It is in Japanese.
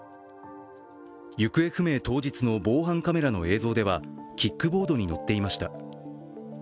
行方不明当日の防犯カメラの映像ではキックボードに乗っていました。